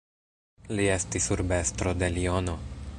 Li estis urbestro de Liono.